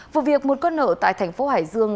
vụ việc một con nợ tại thành phố hải dương